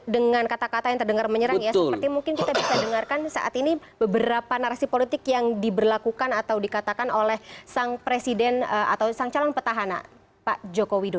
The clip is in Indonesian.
dengan kata kata yang terdengar menyerang ya seperti mungkin kita bisa dengarkan saat ini beberapa narasi politik yang diberlakukan atau dikatakan oleh sang presiden atau sang calon petahana pak jokowi